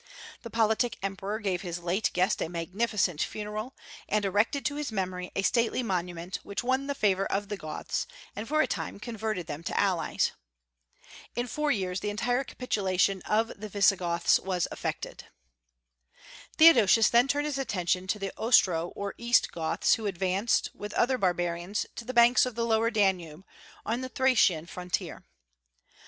The politic emperor gave his late guest a magnificent funeral, and erected to his memory a stately monument; which won the favor of the Goths, and for a time converted them to allies. In four years the entire capitulation of the Visigoths was effected. Theodosius then turned his attention to the Ostro or East Goths, who advanced, with other barbarians, to the banks of the lower Danube, on the Thracian frontier.